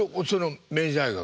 明治大学の？